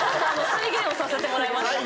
再現をさせてもらいました。